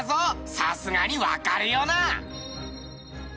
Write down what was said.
さすがにわかるよな？